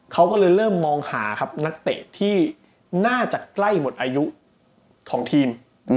เขาก็เลยเริ่มมองหาครับนักเตะที่น่าจะใกล้หมดอายุของทีม